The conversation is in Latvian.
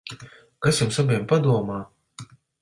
Kas jums abiem padomā?